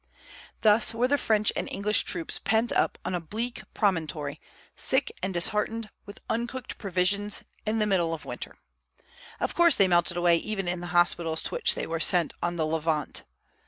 Thus were the French and English troops pent up on a bleak promontory, sick and disheartened, with uncooked provisions, in the middle of winter. Of course they melted away even in the hospitals to which they were sent on the Levant.